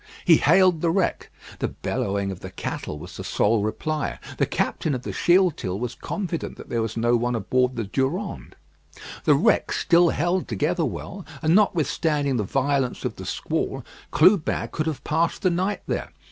He hailed the wreck; the bellowing of the cattle was the sole reply. The captain of the Shealtiel was confident that there was no one aboard the Durande. The wreck still held together well, and notwithstanding the violence of the squall, Clubin could have passed the night there.